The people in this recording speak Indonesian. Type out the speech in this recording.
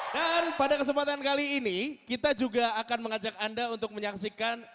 dan pada kesempatan kali ini kita juga akan mengajak anda untuk menyaksikan